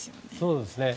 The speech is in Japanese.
そうですね。